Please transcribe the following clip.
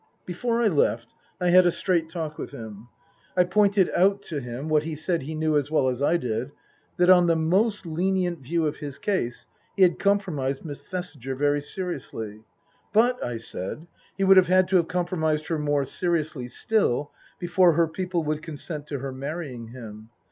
Before I left I had a straight talk with him. I pointed out to him (what he said he knew as well as I did) that on the most lenient view of his case he had compromised Miss Thesiger very seriously. But, I said, he would have had to have compromised her more seriously still before her people would consent to her marrying him.